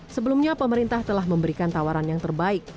sebelumnya pemerintah telah memberikan tawaran yang terbaik